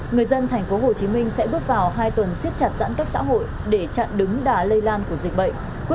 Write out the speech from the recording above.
người dân thành phố hồ chí minh sẽ bước vào hai tuần siết chặt giãn cách xã hội để chặn đứng đá lây lan của dịch bệnh